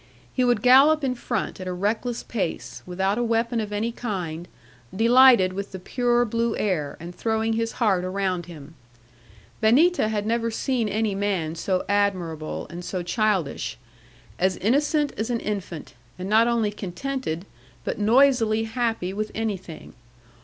He would gallop in front, at a reckless pace, without a weapon of any kind, delighted with the pure blue air, and throwing his heart around him. Benita had never seen any man so admirable, and so childish. As innocent as an infant; and not only contented, but noisily happy with anything.